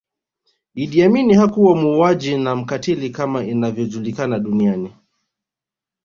Idi Amin hakuwa muuaji na mkatili kama inavyojulikana duniani